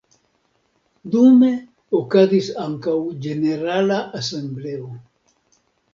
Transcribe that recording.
Dume okazis ankaŭ ĝenerala asembleo.